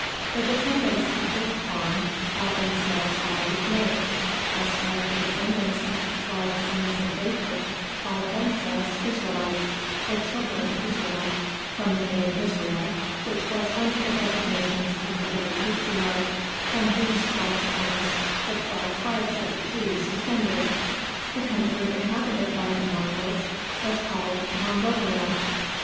The descendants of this khan called themselves by his name, just as the descendants of the twelve sons of Jacob called themselves Israelites, or children of Israel, from the name Israel, which was one of the designations of the great patriarch from whose twelve sons the twelve tribes of the Jews descended. The country inhabited by the Monguls was called Mongolia.